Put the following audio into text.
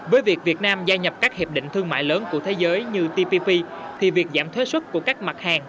với việc việt nam gia nhập các hiệp định thương mại lớn của thế giới như tpp thì việc giảm thuế xuất của các mặt hàng